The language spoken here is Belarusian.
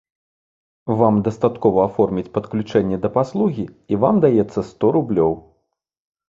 Вам дастаткова аформіць падключэнне да паслугі, і вам даецца сто рублёў.